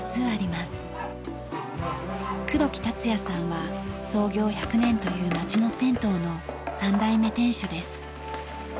黒木達也さんは創業１００年という町の銭湯の３代目店主です。